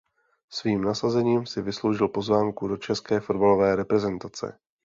Svým nasazením si vysloužil pozvánku do české fotbalové reprezentace.